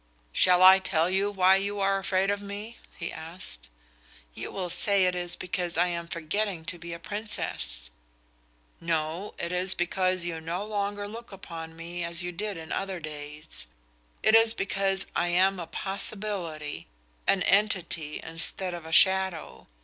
"Shall I tell you why you are afraid of me?" he asked. "You will say it is because I am forgetting to be a Princess." "No; it is because you no longer look upon me as you did in other days. It is because I am a possibility, an entity instead of a shadow.